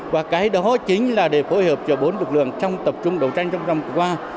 và cái đó chính là để phối hợp cho bốn lực lượng trong tập trung đấu tranh chống mùa bán